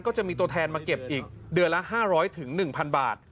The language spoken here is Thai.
ก็จะมีตัวแทนมาเก็บอีกเดือนละ๕๐๐๑๐๐บาท